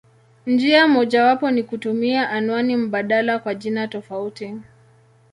Njia mojawapo ni kutumia anwani mbadala kwa jina tofauti.